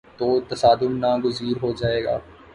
تو تصادم ناگزیر ہو جائے گا۔